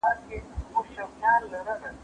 زه به سبا کتابونه وړم وم؟!